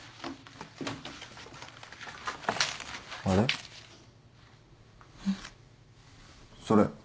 あれ？